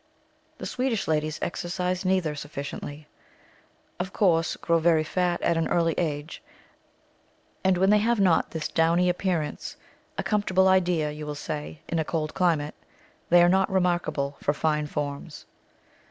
The Swedish ladies exercise neither sufficiently; of course, grow very fat at an early age; and when they have not this downy appearance, a comfortable idea, you will say, in a cold climate, they are not remarkable for fine forms.